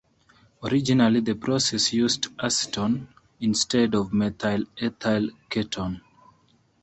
Originally the process used acetone instead of methyl ethyl ketone.